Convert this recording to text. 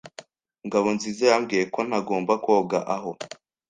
Ngabonziza yambwiye ko ntagomba koga aho.